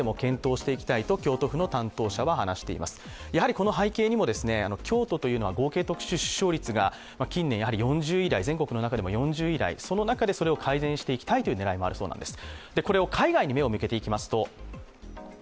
この背景にも、京都というのは合計出生率が近年、全国で４０位台、その中でそれを改善していきたいという狙いもあるそうです。